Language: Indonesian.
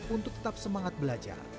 untuk tetap semangat belajar